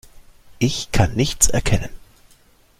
Ich kann nichts erkennen.